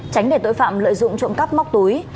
tránh để tội phạm lợi dụng trộm cắp móc túi